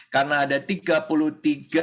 dan ini adalah sebagai upaya pemersatu bangsa